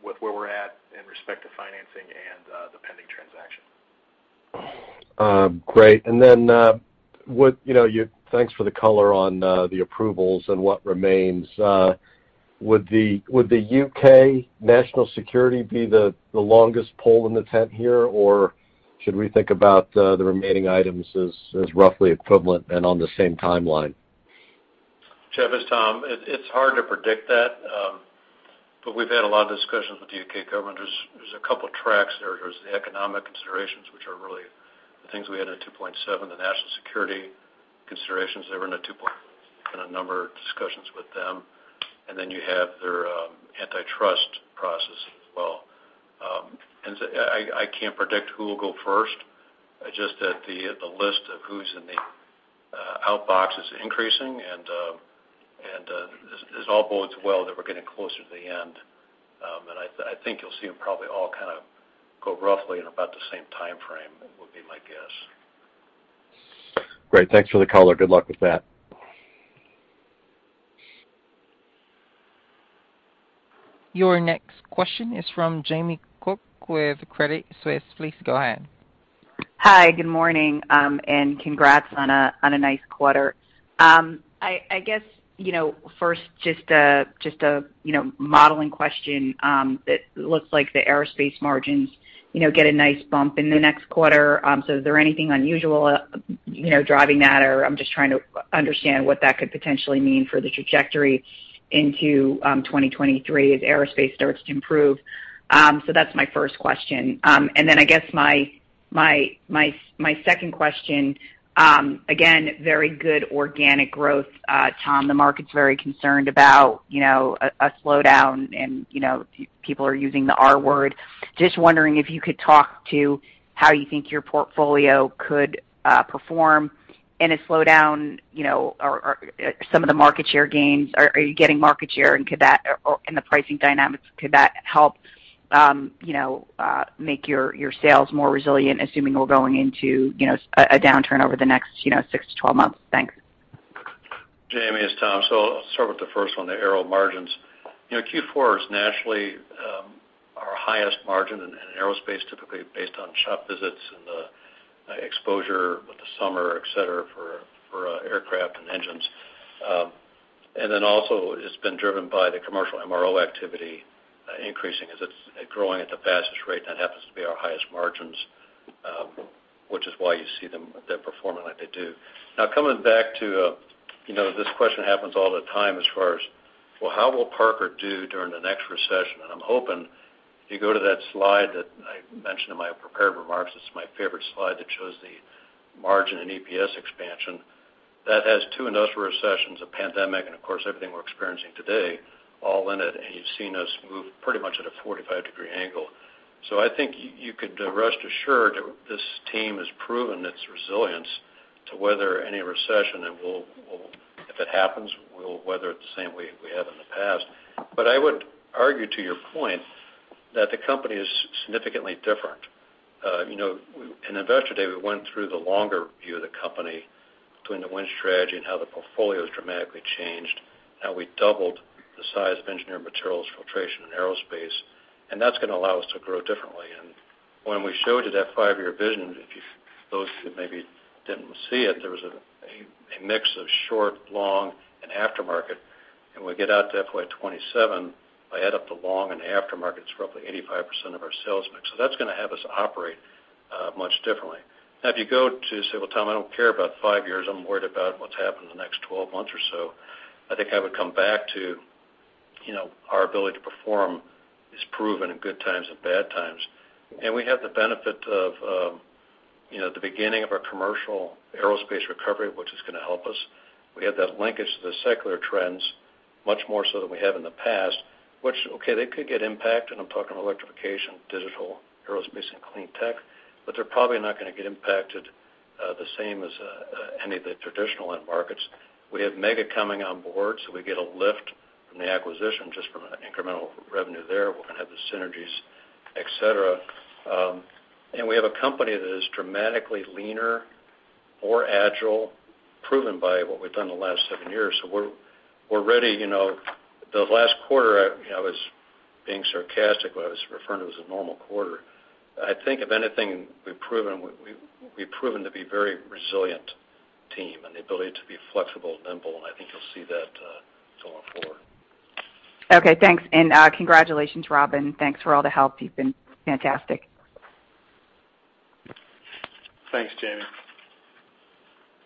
where we're at in respect to financing and the pending transaction. Great. Thanks for the color on the approvals and what remains. Would the U.K. national security be the longest pole in the tent here, or should we think about the remaining items as roughly equivalent and on the same timeline? Jeff, it's Tom. It's hard to predict that, but we've had a lot of discussions with the U.K. government. There's a couple tracks there. There's the economic considerations, which are really the things we had in the 2.7, the national security considerations that were in the 2.7, and a number of discussions with them. And then you have their antitrust process as well. And so I can't predict who will go first, just that the list of who's in the outbox is increasing, and this all bodes well that we're getting closer to the end. I think you'll see them probably all kind of go roughly in about the same timeframe, would be my guess. Great. Thanks for the color. Good luck with that. Your next question is from Jamie Cook with Credit Suisse. Please go ahead. Hi, good morning, and congrats on a nice quarter. I guess, you know, first, just a modeling question, that looks like the aerospace margins, you know, get a nice bump in the next quarter. Is there anything unusual, you know, driving that? I'm just trying to understand what that could potentially mean for the trajectory into 2023 as aerospace starts to improve. That's my first question. I guess my second question, again, very good organic growth, Tom. The market's very concerned about, you know, a slowdown, and, you know, people are using the R word. Just wondering if you could talk to how you think your portfolio could perform in a slowdown, you know, or some of the market share gains. Are you getting market share and could that, or, and the pricing dynamics, could that help, you know, make your sales more resilient, assuming we're going into, you know, a downturn over the next, you know, 6-12 months? Thanks. Jamie, it's Tom. I'll start with the first one, the aero margins. You know, Q4 is naturally our highest margin in aerospace, typically based on shop visits and the exposure with the summer, et cetera, for aircraft and engines. Then also, it's been driven by the commercial MRO activity increasing as it's growing at the fastest rate, and that happens to be our highest margins, which is why you see them performing like they do. Now coming back to, you know, this question happens all the time as far as, well, how will Parker do during the next recession? I'm hoping, if you go to that slide that I mentioned in my prepared remarks, it's my favorite slide that shows the margin and EPS expansion. That has two industrial recessions, a pandemic, and of course, everything we're experiencing today all in it, and you've seen us move pretty much at a 45-degree angle. I think you could rest assured this team has proven its resilience to weather any recession, and we'll, if it happens, we'll weather it the same way we have in the past. But I would argue to your point that the company is significantly different. You know, in Investor Day, we went through the longer view of the company between the Win Strategy and how the portfolio has dramatically changed, how we doubled the size of Engineered Materials, filtration, and aerospace, and that's gonna allow us to grow differently. When we showed you that five-year vision, if those who maybe didn't see it, there was a mix of short, long, and aftermarket. When we get out to FY 2027, if I add up the long and aftermarket, it's roughly 85% of our sales mix. That's gonna have us operate much differently. Now if you go to say, "Well, Tom, I don't care about 5 years, I'm worried about what's happening in the next 12 months or so," I think I would come back to, you know, our ability to perform is proven in good times and bad times. We have the benefit of, you know, the beginning of our commercial aerospace recovery, which is gonna help us. We have that linkage to the secular trends much more so than we have in the past, which they could get impacted, and I'm talking about electrification, digital, aerospace, and clean tech, but they're probably not gonna get impacted the same as any of the traditional end markets. We have Meggitt coming on board, so we get a lift from the acquisition just from an incremental revenue there. We're gonna have the synergies, et cetera. We have a company that is dramatically leaner, more agile, proven by what we've done in the last seven years. We're ready. You know, the last quarter, I was being sarcastic when I was referring to it as a normal quarter. I think if anything, we've proven to be very resilient team and the ability to be flexible and nimble, and I think you'll see that going forward. Okay, thanks. Congratulations, Robin. Thanks for all the help. You've been fantastic. Thanks, Jamie.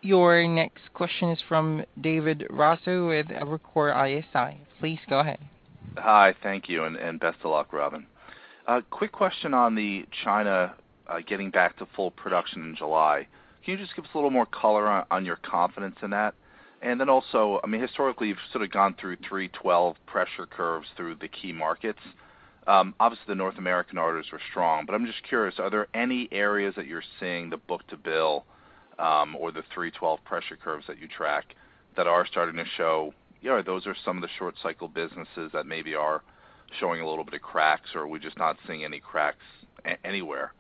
Your next question is from David Raso with Evercore ISI. Please go ahead. Hi, thank you, and best of luck, Robin. A quick question on the China getting back to full production in July. Can you just give us a little more color on your confidence in that? Also, I mean, historically, you've sort of gone through 3-12 pressure curves through the key markets. Obviously, the North American orders are strong, but I'm just curious, are there any areas that you're seeing the book-to-bill or the 3-12 pressure curves that you track that are starting to show, you know, those are some of the short cycle businesses that maybe are showing a little bit of cracks, or are we just not seeing any cracks anywhere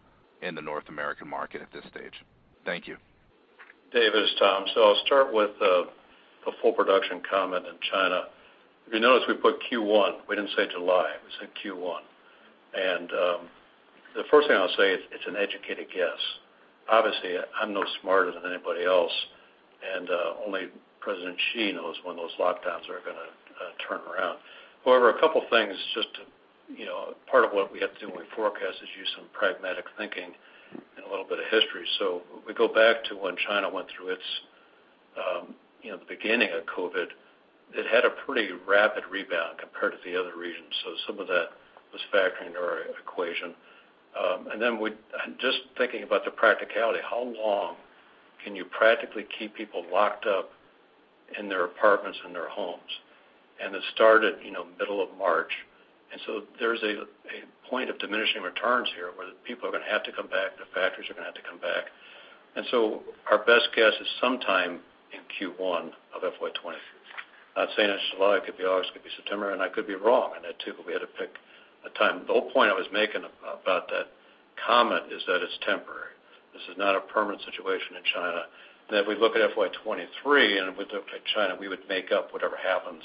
in the North American market at this stage? Thank you. David, it's Tom. I'll start with the full production comment in China. If you notice, we put Q1. We didn't say July, we said Q1. The first thing I'll say is it's an educated guess. Obviously, I'm no smarter than anybody else, and only President Xi knows when those lockdowns are gonna turn around. However, a couple things just to, you know, part of what we have to do when we forecast is use some pragmatic thinking and a little bit of history. If we go back to when China went through its, you know, the beginning of COVID, it had a pretty rapid rebound compared to the other regions. Some of that was factored into our equation. Just thinking about the practicality, how long can you practically keep people locked up in their apartments and their homes? It started, you know, middle of March. There's a point of diminishing returns here where the people are gonna have to come back, the factories are gonna have to come back. Our best guess is sometime in Q1 of FY 2022. Not saying it's July, it could be August, it could be September, and I could be wrong on that too, but we had to pick a time. The whole point I was making about that comment is that it's temporary. This is not a permanent situation in China. If we look at FY 2023, and if we look at China, we would make up whatever happens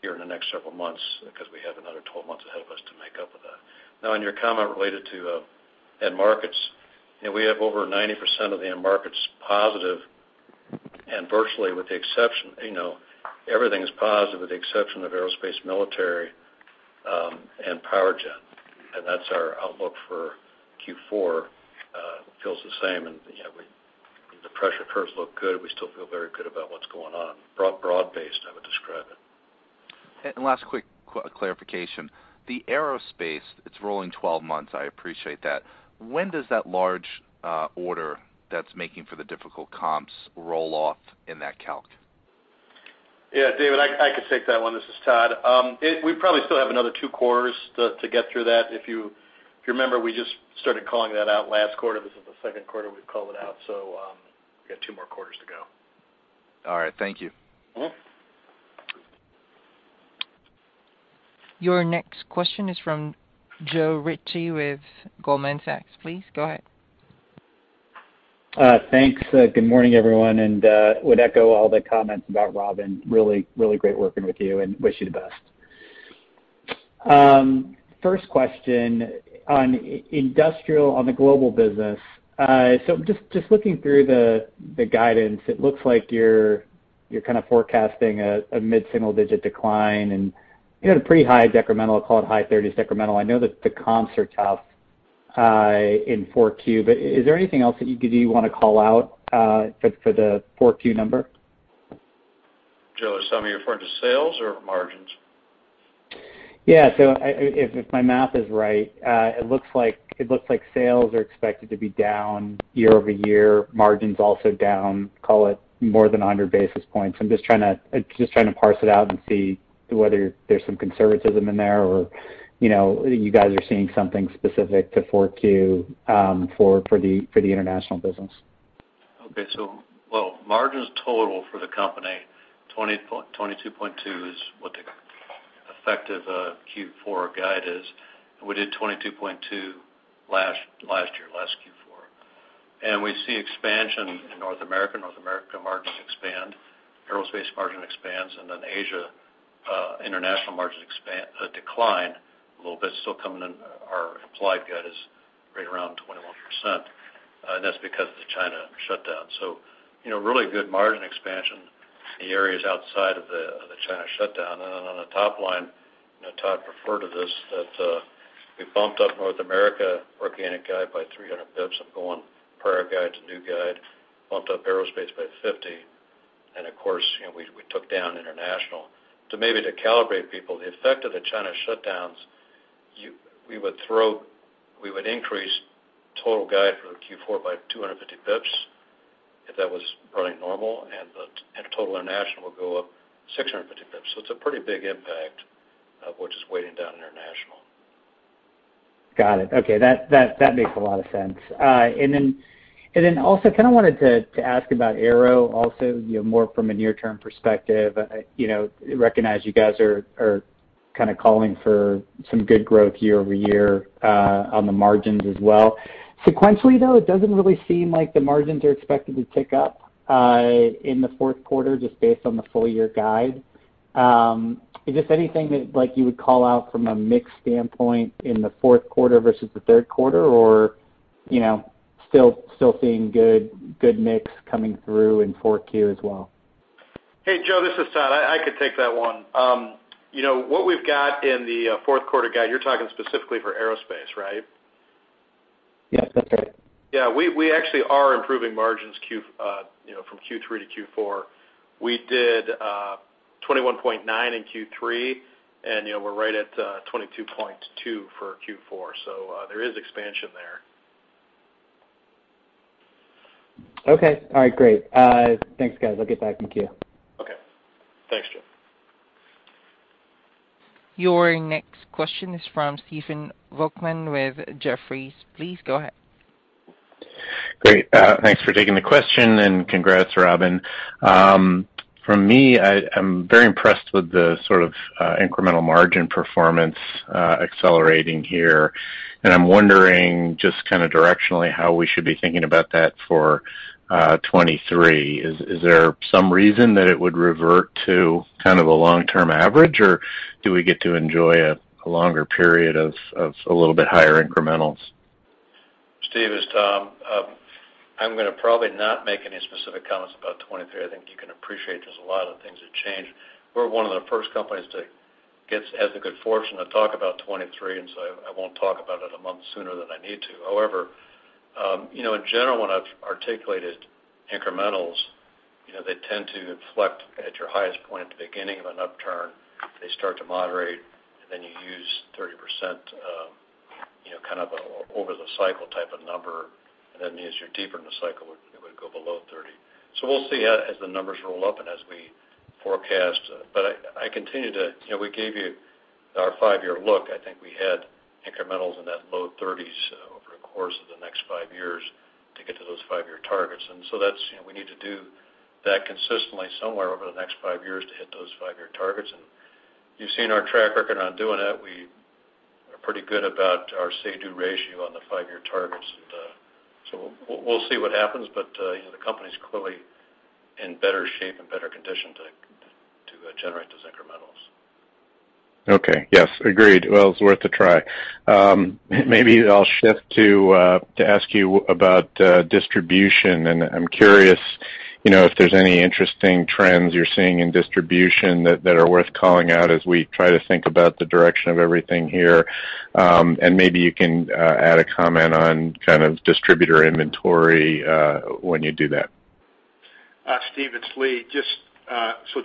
here in the next several months because we have another 12 months ahead of us to make up with that. Now, on your comment related to end markets, you know, we have over 90% of the end markets positive. Virtually with the exception, you know, everything is positive with the exception of aerospace, military, and power gen. That's our outlook for Q4, feels the same. You know, the pressure curves look good. We still feel very good about what's going on. Broad-based, I would describe it. Last quick clarification. The aerospace, it's rolling 12 months, I appreciate that. When does that large order that's making for the difficult comps roll off in that calc? Yeah, David, I can take that one. This is Todd. We probably still have another two quarters to get through that. If you remember, we just started calling that out last quarter. This is the second quarter we've called it out, so we got two more quarters to go. All right. Thank you. Your next question is from Joe Ritchie with Goldman Sachs. Please go ahead. Thanks. Good morning, everyone. Would echo all the comments about Robin. Really great working with you and wish you the best. First question on Industrial, on the global business. So just looking through the guidance, it looks like you're kind of forecasting a mid-single-digit decline, and you had a pretty high decremental, I'll call it high 30's decremental. I know that the comps are tough in 4Q. Is there anything else that you wanna call out for the 4Q number? Joe, are some of you referring to sales or margins? If my math is right, it looks like sales are expected to be down year-over-year, margins also down, call it more than 100 basis points. I'm just trying to parse it out and see whether there's some conservatism in there or, you know, you guys are seeing something specific to 4Q, for the international business. Okay. Well, margins total for the company, 22.2 is what the effective Q4 guide is. We did 22.2 last year last Q4. We see expansion in North America. North America margins expand, aerospace margin expands, and then Asia, international margins decline a little bit. Still coming in, our implied guide is right around 21%. That's because of the China shutdown. You know, really good margin expansion in the areas outside of the China shutdown. Then on the top line, you know, Todd referred to this, that we bumped up North America organic guide by 300 basis points from going prior guide to new guide, bumped up aerospace by 50. Of course, you know, we took down international. To maybe calibrate people, the effect of the China shutdowns. We would increase total guide for Q4 by 250 basis points if that was running normal, and total international would go up 650 basis points. It's a pretty big impact which is weighing down international. Got it. Okay. That makes a lot of sense. Also kinda wanted to ask about Aero also, you know, more from a near-term perspective. You know, recognize you guys are kinda calling for some good growth year-over-year on the margins as well. Sequentially, though, it doesn't really seem like the margins are expected to tick up in the fourth quarter just based on the full-year guide. Is this anything that, like, you would call out from a mix standpoint in the fourth quarter versus the third quarter? Or, you know, still seeing good mix coming through in 4Q as well? Hey, Joe, this is Todd. I could take that one. You know, what we've got in the fourth quarter guide, you're talking specifically for aerospace, right? Yes, that's right. We actually are improving margins from Q3 to Q4. We did 21.9% in Q3, and you know, we're right at 22.2% for Q4. There is expansion there. Okay. All right, great. Thanks, guys. I'll get back in queue. Okay. Thanks, Joe. Your next question is from Stephen Volkmann with Jefferies. Please go ahead. Great. Thanks for taking the question, and congrats, Robin. For me, I'm very impressed with the sort of incremental margin performance accelerating here, and I'm wondering just kinda directionally how we should be thinking about that for 2023. Is there some reason that it would revert to kind of a long-term average, or do we get to enjoy a longer period of a little bit higher incrementals? Steve, it's Tom. I'm gonna probably not make any specific comments about 2023. I think you can appreciate there's a lot of things that change. We're one of the first companies that has the good fortune to talk about 2023, and I won't talk about it a month sooner than I need to. However, you know, in general, when I've articulated incrementals, you know, they tend to inflect at your highest point at the beginning of an upturn. They start to moderate, and then you use 30%, you know, kind of over the cycle type of number. That means you're deeper in the cycle, it would go below 30%. We'll see as the numbers roll up and as we forecast. You know, we gave you our five-year look. I think we had incrementals in that low 30's over the course of the next five years to get to those five-year targets. That's, you know, we need to do that consistently somewhere over the next five years to hit those five-year targets. You've seen our track record on doing that. We are pretty good about our say do ratio on the five-year targets. We'll see what happens, but, you know, the company's clearly in better shape and better condition to generate those incrementals. Okay. Yes, agreed. Well, it's worth a try. Maybe I'll shift to ask you about distribution. I'm curious, you know, if there's any interesting trends you're seeing in distribution that are worth calling out as we try to think about the direction of everything here. Maybe you can add a comment on kind of distributor inventory when you do that. Steve, it's Lee.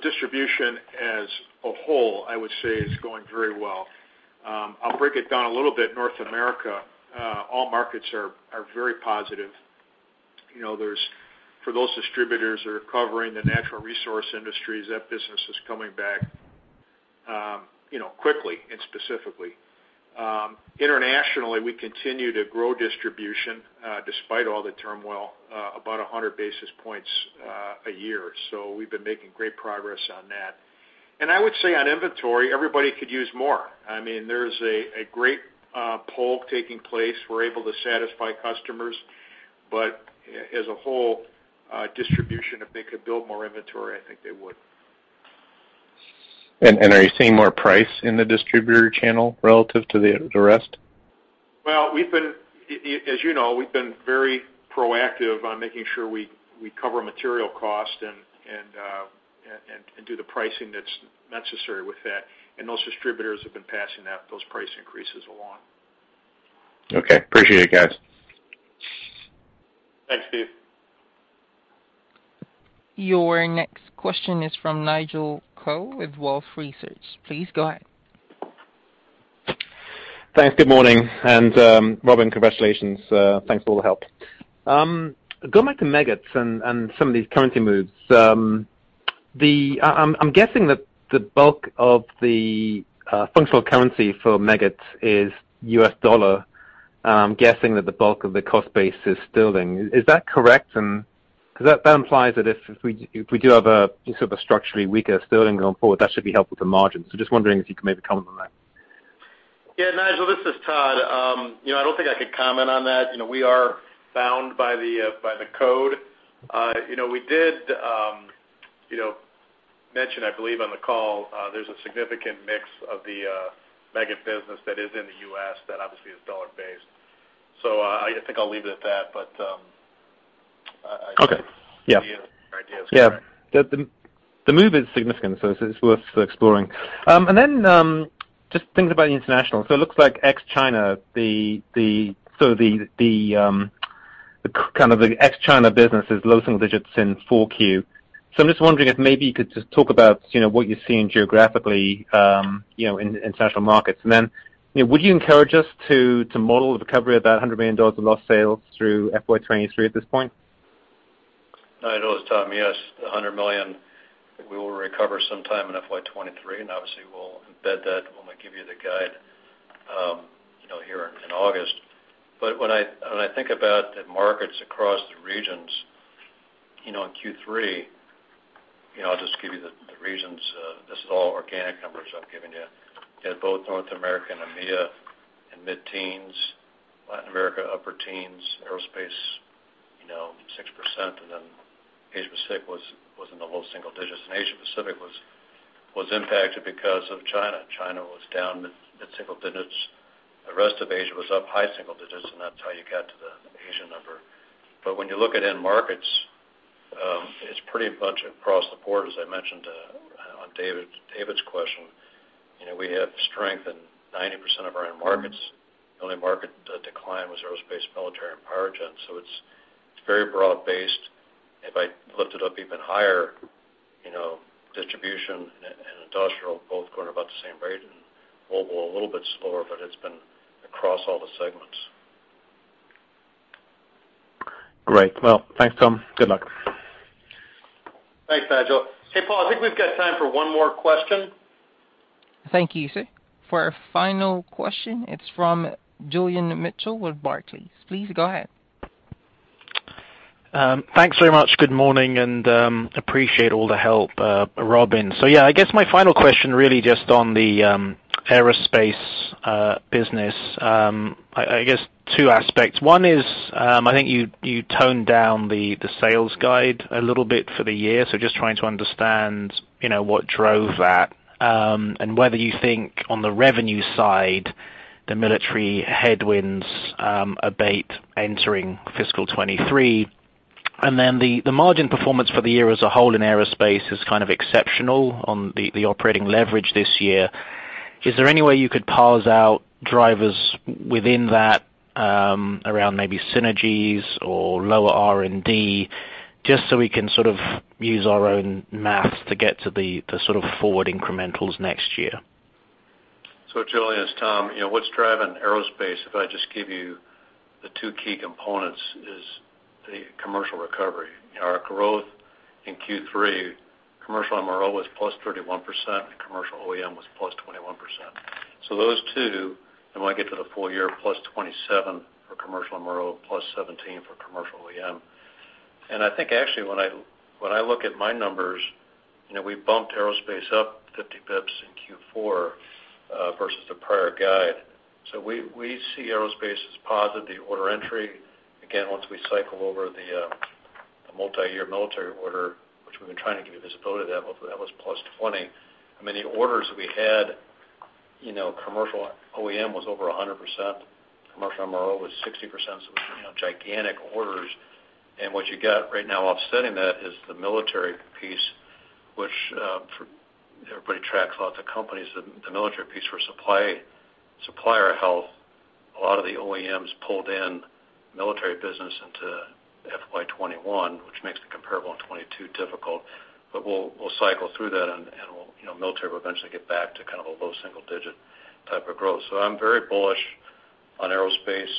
Distribution as a whole, I would say is going very well. I'll break it down a little bit. North America, all markets are very positive. You know, for those distributors that are covering the natural resource industries, that business is coming back, you know, quickly and specifically. Internationally, we continue to grow distribution despite all the turmoil about 100 basis points a year. We've been making great progress on that. I would say on inventory, everybody could use more. I mean, there's a great pull taking place. We're able to satisfy customers. As a whole, distribution, if they could build more inventory, I think they would. Are you seeing more price in the distributor channel relative to the rest? Well, we've been, as you know, we've been very proactive on making sure we cover material cost and do the pricing that's necessary with that. Those distributors have been passing along those price increases. Okay. Appreciate it, guys. Thanks, Steve. Your next question is from Nigel Coe with Wolfe Research. Please go ahead. Thanks. Good morning. Robin, congratulations. Thanks for all the help. Going back to Meggitt and some of these currency moves. I'm guessing that the bulk of the functional currency for Meggitt is U.S. dollar. I'm guessing that the bulk of the cost base is sterling. Is that correct? 'Cause that implies that if we do have a sort of a structurally weaker sterling going forward, that should be helpful to margins. Just wondering if you could maybe comment on that. Yeah, Nigel, this is Todd. You know, I don't think I could comment on that. You know, we are bound by the code. You know, we did mention, I believe on the call, there's a significant mix of the Meggitt business that is in the U.S. that obviously is dollar-based. I think your idea is correct. Yeah. The move is significant, so it's worth exploring. Just things about the international. It looks like ex-China, the ex-China business is low-single-digits in Q4. I'm just wondering if maybe you could just talk about, you know, what you're seeing geographically, you know, in end markets. Would you encourage us to model the recovery of that $100 million of lost sales through FY 2023 at this point? Nigel, it's Tom. Yes, $100 million we will recover sometime in FY 2023, and obviously we'll embed that when we give you the guide, you know, here in August. When I think about the markets across the regions, you know, in Q3, you know, I'll just give you the regions. This is all organic numbers I'm giving you. You had both North America and EMEA in mid-teens, Latin America upper teens, aerospace you know 6%, and then Asia-Pacific was in the low-single-digits. Asia-Pacific was impacted because of China. China was down mid-single digits. The rest of Asia was up high-single-digits, and that's how you got to the Asia number. When you look at end markets, it's pretty much across the board, as I mentioned, on David's question. You know, we have strength in 90% of our end markets. The only market decline was aerospace, military, and power gen. It's very broad-based. If I lift it up even higher, you know, distribution and industrial both growing about the same rate, and mobile a little bit slower, but it's been across all the segments. Great. Well, thanks, Tom. Good luck. Thanks, Nigel. Hey, Paul, I think we've got time for one more question. Thank you, sir. For our final question, it's from Julian Mitchell with Barclays. Please go ahead. Thanks very much. Good morning, and appreciate all the help, Robin. Yeah, I guess my final question really just on the aerospace business. I guess two aspects. One is, I think you toned down the sales guide a little bit for the year. Just trying to understand, you know, what drove that, and whether you think on the revenue side, the military headwinds abate entering fiscal 2023. Then the margin performance for the year as a whole in aerospace is kind of exceptional on the operating leverage this year. Is there any way you could parse out drivers within that, around maybe synergies or lower R&D, just so we can sort of use our own math to get to the sort of forward incrementals next year? Julian, it's Tom. You know, what's driving aerospace, if I just give you the two key components, is the commercial recovery. Our growth in Q3, commercial MRO was +31%, and commercial OEM was +21%. Those two, and when I get to the full year, +27% for commercial MRO, +17% for commercial OEM. I think actually when I look at my numbers, you know, we bumped aerospace up 50 basis points in Q4 versus the prior guide. We see aerospace as positive. The order entry, again, once we cycle over the multiyear military order, which we've been trying to give you visibility of that, but that was +20%. I mean, the orders we had, you know, commercial OEM was over 100%. Commercial MRO was 60%, so, you know, gigantic orders. What you got right now offsetting that is the military piece, which for everybody who tracks all the companies, the military piece for supplier health. A lot of the OEMs pulled in military business into FY 2021, which makes the comparable in 2022 difficult. We'll cycle through that, and we'll, you know, military will eventually get back to kind of a low single digit type of growth. I'm very bullish on aerospace.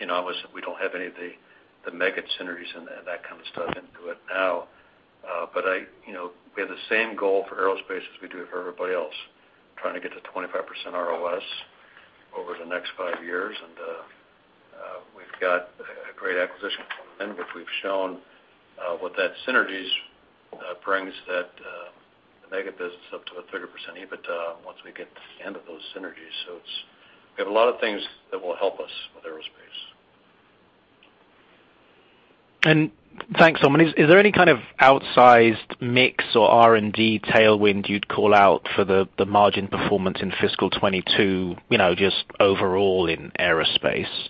You know, obviously we don't have any of the mega synergies and that kind of stuff into it now. But I, you know, we have the same goal for aerospace as we do for everybody else, trying to get to 25% ROS over the next five years. We've got a great acquisition coming in, which we've shown what that synergies brings that the Meggitt business up to a 30% EBITDA once we get to the end of those synergies. It's we have a lot of things that will help us with aerospace. Thanks, Tom. Is there any kind of outsized mix or R&D tailwind you'd call out for the margin performance in fiscal 2022, you know, just overall in aerospace?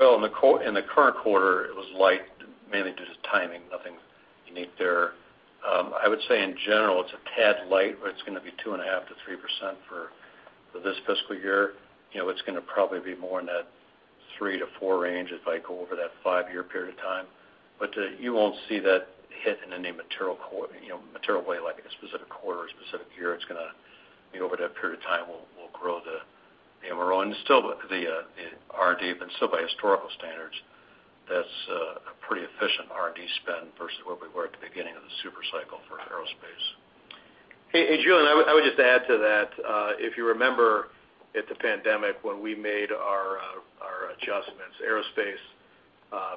Well, in the current quarter, it was light mainly due to timing, nothing unique there. I would say in general, it's a tad light, but it's gonna be 2.5%-3% for this fiscal year. You know, it's gonna probably be more in that 3%-4% range if I go over that 5-year period of time. You won't see that hit in any material way, like a specific quarter or specific year. It's gonna be over that period of time, we'll grow the MRO. Still with the R&D, even still by historical standards, that's a pretty efficient R&D spend versus where we were at the beginning of the super cycle for aerospace. Hey, Julian, I would just add to that, if you remember at the pandemic when we made our adjustments, aerospace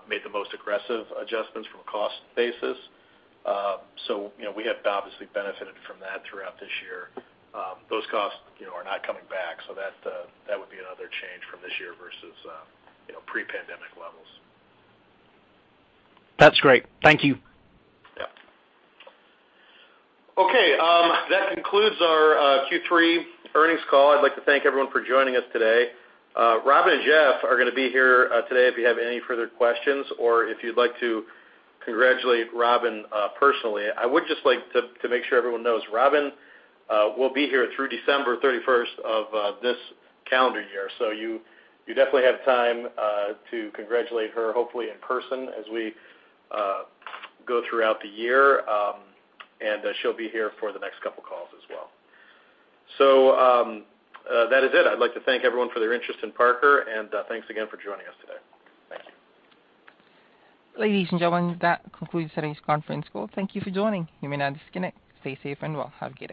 made the most aggressive adjustments from a cost basis. So, you know, we have obviously benefited from that throughout this year. Those costs, you know, are not coming back, so that would be another change from this year versus, you know, pre-pandemic levels. That's great. Thank you. Yeah. Okay. That concludes our Q3 earnings call. I'd like to thank everyone for joining us today. Robin and Jeff are gonna be here today if you have any further questions or if you'd like to congratulate Robin personally. I would just like to make sure everyone knows Robin will be here through December 31st of this calendar year. You definitely have time to congratulate her, hopefully in person as we go throughout the year. She'll be here for the next couple calls as well. That is it. I'd like to thank everyone for their interest in Parker, and thanks again for joining us today. Thank you. Ladies and gentlemen, that concludes today's conference call. Thank you for joining. You may now disconnect. Stay safe and well. Have a good night.